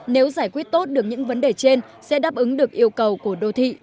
nếu giải quyết tốt được những vấn đề trên sẽ đáp ứng được yêu cầu của đô thị